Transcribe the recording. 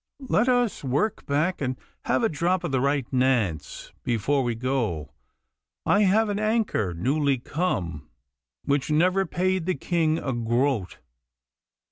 Let us work back and have a drop of the right Nants before we go. I have an anker newly come, which never paid the King a groat.